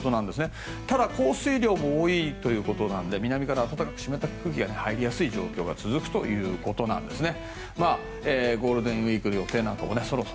ただ、降水量も多いということで南から暖かく湿った空気が入りやすい状況が続くということですね。